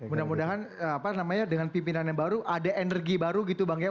mudah mudahan dengan pimpinan yang baru ada energi baru gitu bang gaya